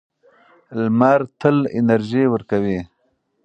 لمر تل انرژي ورکوي.